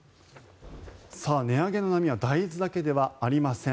値上げの波は大豆だけではありません。